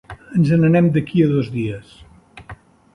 Ens en anem d'aquí a dos dies.